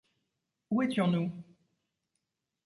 Où étions-nous?